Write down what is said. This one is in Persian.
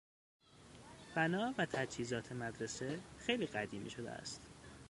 بنا و تجهیزات مدرسه خیلی قدیمی شده است.